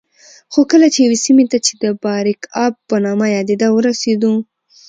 خو کله چې یوې سیمې ته چې د باریکآب په نامه یادېده ورسېدو